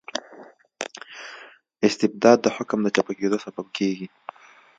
استبداد د حکوم د چپه کیدو سبب کيږي.